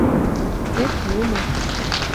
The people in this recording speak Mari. Тек юмо